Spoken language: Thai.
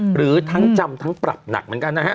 หรือทั้งจำทั้งปรับหนักเหมือนกันนะฮะ